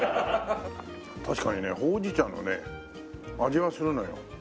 確かにねほうじ茶のね味がするのよ。